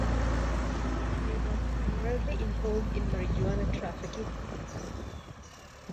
They were primarily involved in marijuana trafficking.